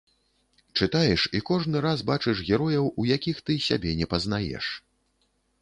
Чытаеш і кожны раз бачыш герояў, у якіх ты сябе не пазнаеш.